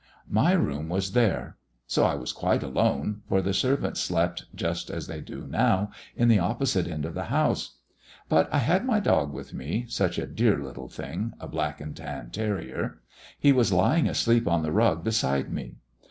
"My room was there; so I was quite alone, for the servants slept, just as they do now, in the opposite end of the house. But I had my dog with me, such a dear little thing, a black and tan terrier. He was lying asleep on the rug beside me.